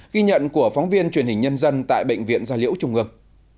ghi nhận của phóng viên truyền hình nhân dân tại bệnh viện gia liễu trung ương